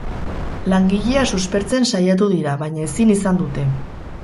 Langilea suspertzen saiatu dira baina ezin izan dute.